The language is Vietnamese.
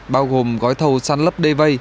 bao gồm gói thầu sàn lấp đê